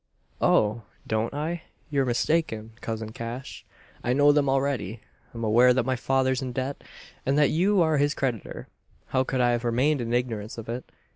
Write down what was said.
"Oh! don't I? You're mistaken, cousin Cash. I know them already. I'm aware that my father's in debt; and that you are his creditor. How could I have remained in ignorance of it?